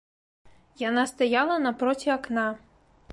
Яна стаяла напроці акна.